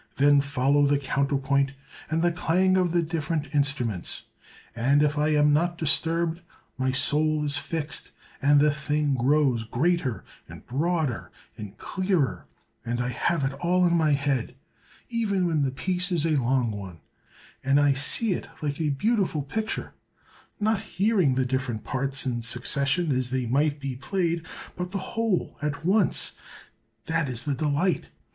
Then follow the counterpoint and the clang of the different instruments; and, if I am not disturbed, my soul is fixed, and the thing grows greater, and broader, and clearer; and I have it all in my head, even when the piece is a long one; and I see it like a beautiful picture—not hearing the different parts in succession as they must be played, but the whole at once. That is the delight!